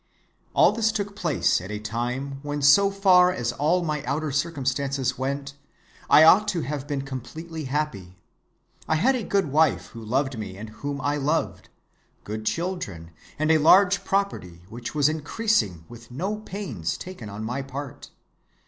"All this took place at a time when so far as all my outer circumstances went, I ought to have been completely happy. I had a good wife who loved me and whom I loved; good children and a large property which was increasing with no pains taken on my part.